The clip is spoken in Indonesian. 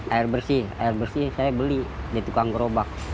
air bersih air bersih saya beli di tukang gerobak